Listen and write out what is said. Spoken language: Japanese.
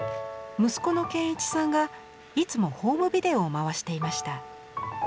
息子の賢一さんがいつもホームビデオを回していました。